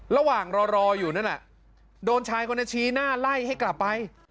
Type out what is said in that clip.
ระหว่างรออยู่นั่นแหละโดนชายคนนั้นชี้หน้าไล่ให้กลับไป